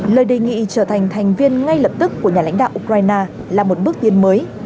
lời đề nghị trở thành thành viên ngay lập tức của nhà lãnh đạo ukraine là một bước tiến mới